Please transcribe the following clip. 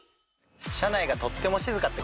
車内がとっても静かってこと？